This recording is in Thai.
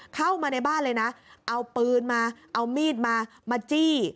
เข้ามาในบ้านเลยนะเอาปืนมาเอามีดมามาจี้